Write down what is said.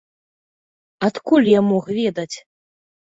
Адкуль я мог ведаць?